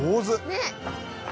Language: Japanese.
ねっ！